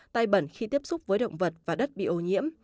tay bẩn khi tiếp xúc với động vật và đất bị ô nhiễm